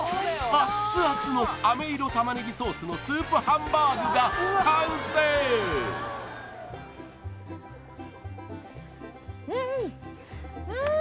熱々のあめいろたまねぎソースのスープハンバーグが完成うん